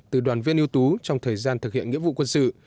từ đoàn viên ưu tú trong thời gian thực hiện nghĩa vụ quân sự